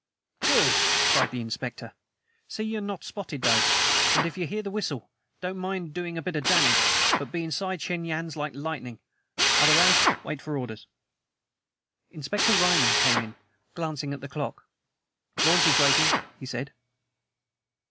"Good!" cried the Inspector. "See you are not spotted, though; and if you hear the whistle, don't mind doing a bit of damage, but be inside Shen Yan's like lightning. Otherwise, wait for orders." Inspector Ryman came in, glancing at the clock. "Launch is waiting," he said.